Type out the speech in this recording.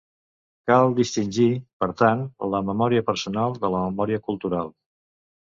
Cal distingir, por tant, la memòria personal de la memòria cultural.